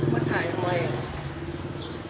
มันถ่ายทำไม